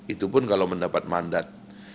itu pun kalau mendapat mandat